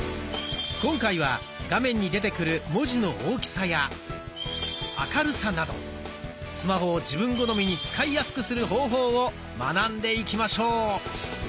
今回は画面に出てくる文字の大きさや明るさなどスマホを自分好みに使いやすくする方法を学んでいきましょう。